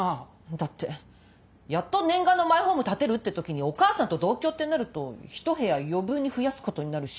だってやっと念願のマイホーム建てるって時にお義母さんと同居ってなると一部屋余分に増やすことになるし。